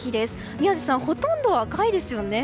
宮司さん、ほとんど赤いですよね。